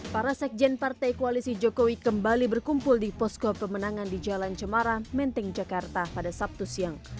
para sekjen partai koalisi jokowi kembali berkumpul di posko pemenangan di jalan cemara menteng jakarta pada sabtu siang